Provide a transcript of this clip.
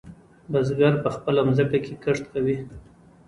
بزگر په خپله ځمکه کې کښت کوي.